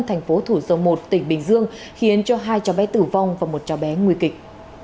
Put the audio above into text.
thành phố thủ dầu một tỉnh bình dương khiến cho hai cháu bé tử vong và một cháu bé nguy kịch